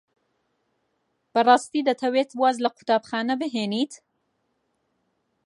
بەڕاستی دەتەوێت واز لە قوتابخانە بهێنیت؟